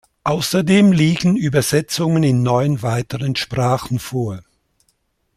Außerdem liegen Übersetzungen in neun weiteren Sprachen vor.